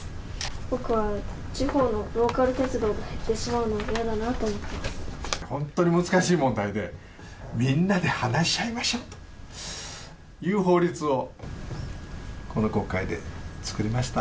僕は地方のローカル鉄道の列車が減ってしまうのは嫌だなと思って本当に難しい問題で、みんなで話し合いましょうという法律を、この国会で作りました。